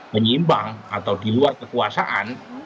penyimbang atau di luar kekuasaan